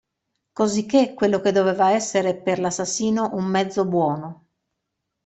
Cosicché quello che doveva essere per l'assassino un mezzo buono.